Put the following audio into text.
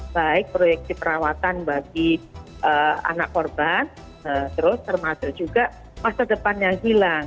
baik proyeksi perawatan bagi anak korban terus termasuk juga masa depannya hilang